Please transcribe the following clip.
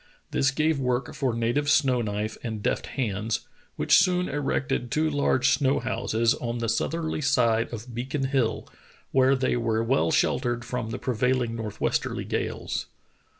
This gave work for native snow knife and deft hands, which soon erected two large snow houses, on the southerly side of Beacon Hill, where they were well sheltered from the prevailing northwesterly gales.